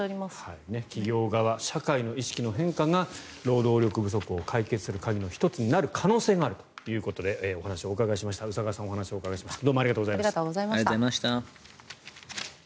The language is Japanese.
企業側社会の意識の変化が労働力不足を解決する鍵の１つになる可能性もあるということで宇佐川さんにお話をお伺いしました。